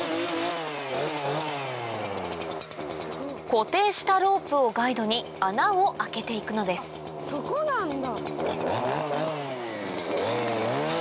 固定したロープをガイドに穴を開けていくのですそこなんだ。